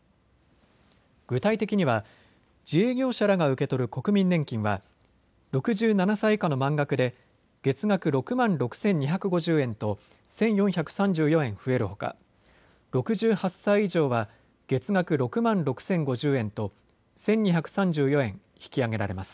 具体的には自営業者らが受け取る国民年金は６７歳以下の満額で月額６万６２５０円と１４３４円増えるほか６８歳以上は月額６万６０５０円と１２３４円引き上げられます。